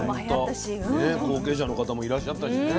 ちゃんとね後継者の方もいらっしゃったしね。